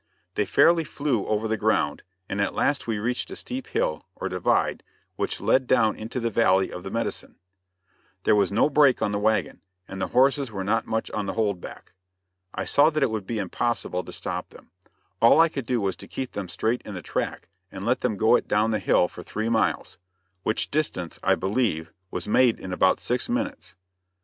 They fairly flew over the ground, and at last we reached a steep hill, or divide, which, led down into the valley of the Medicine. There was no brake on the wagon, and the horses were not much on the hold back. I saw that it would be impossible to stop them. All I could do was to keep them straight in the track and let them go it down the hill, for three miles; which distance, I believe, was made in about six minutes.